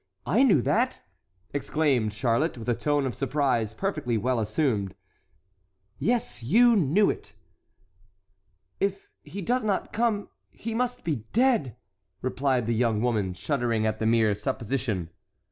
I knew that?" exclaimed Charlotte, with a tone of surprise perfectly well assumed. "Yes, you knew it!" "If he does not come, he must be dead!" replied the young woman, shuddering at the mere supposition.